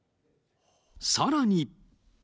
さらに。